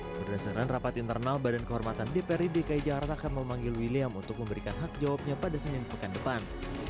berdasarkan rapat internal badan kehormatan dprd dki jakarta akan memanggil william untuk memberikan hak jawabnya pada senin pekan depan